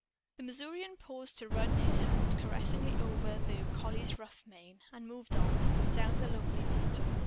The Missourian paused to run his hand caressingly over the collie's rough mane, and moved on, down the lonely beat.